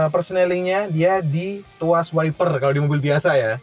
personalingnya dia di tuas wiper kalau di mobil biasa ya